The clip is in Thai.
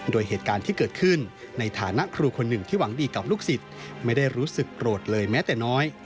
โดยเหตุการณ์ที่เกิดขึ้นในฐานะครูคนหนึ่งที่หวังดีกับลูกศิษย์ไม่ได้รู้สึกโกรธเลยแม้แต่น้อย